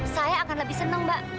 saya akan lebih senang mbak